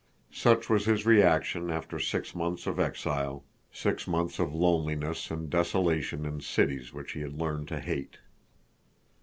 Such was his reaction after six months of exile, six months of loneliness and desolation in cities which he had learned to hate.